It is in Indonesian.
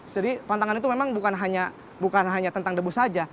jadi pantangan itu memang bukan hanya tentang debus saja